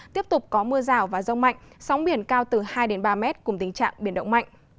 tiếp tục có mưa rào và rông mạnh sóng biển cao từ hai đến ba mét cùng tình trạng biển động mạnh